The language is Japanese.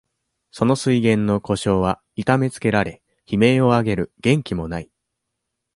その水源の湖沼は痛めつけられ、悲鳴を上げる元気も無い。